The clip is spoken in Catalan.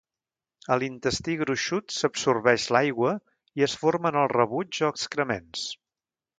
A l'intestí gruixut s'absorbeix l'aigua i es formen els rebuigs o excrements.